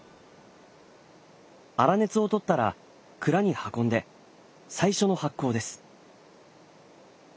粗熱を取ったら蔵に運んで最初の発酵です。